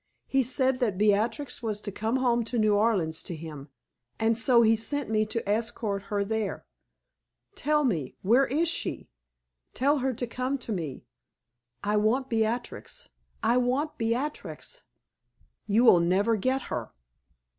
He said that Beatrix was to come home to New Orleans to him, and so he sent me to escort her there. Tell me where is she? Tell her to come to me. I want Beatrix I want Beatrix!" "You will never get her!"